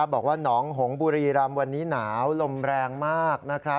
บอกว่าหนองหงบุรีรำวันนี้หนาวลมแรงมาก